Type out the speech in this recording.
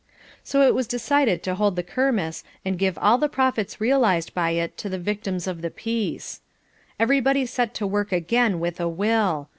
So it was decided to hold the Kermesse and give all the profits realised by it to the Victims of the Peace. Everybody set to work again with a will.